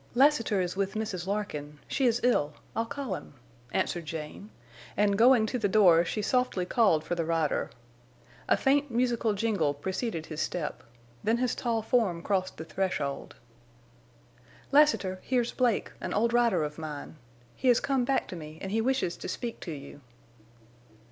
"Lassiter is with Mrs. Larkin. She is ill. I'll call him," answered Jane, and going to the door she softly called for the rider. A faint, musical jingle preceded his step—then his tall form crossed the threshold. "Lassiter, here's Blake, an old rider of mine. He has come back to me and he wishes to speak to you."